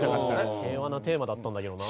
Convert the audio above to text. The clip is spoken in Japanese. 平和なテーマだったんだけどな。